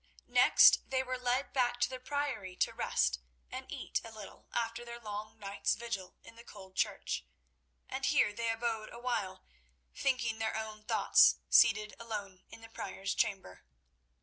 Next they were led back to the Priory to rest and eat a little after their long night's vigil in the cold church, and here they abode awhile, thinking their own thoughts, seated alone in the Prior's chamber.